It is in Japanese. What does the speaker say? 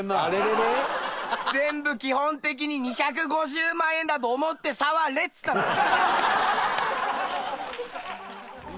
全部基本的に２５０万円だと思って触れっつったんだよ。